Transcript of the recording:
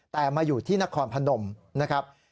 แต่มาอยู่ที่นครพนมนะครับ